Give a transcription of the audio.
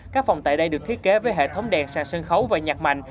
các phòng tại đây được thiết kế với hệ thống đèn sàn sân khấu và nhạc mạnh